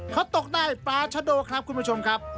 เขาตกได้ปลาชะโดครับคุณผู้ชมครับ